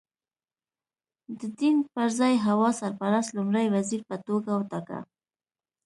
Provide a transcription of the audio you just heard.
د دینګ پر ځای هوا سرپرست لومړی وزیر په توګه وټاکه.